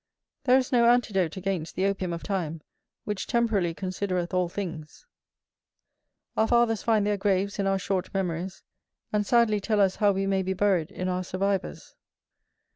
There is no antidote against the opium of time, which temporally considereth all things: our fathers find their graves in our short memories, and sadly tell us how we may be buried in our survivors.